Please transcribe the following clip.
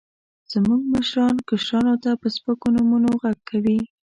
زموږ مشران، کشرانو ته په سپکو نومونو غږ کوي.